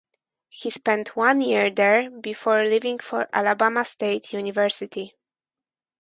He spent one year there before leaving for Alabama State University.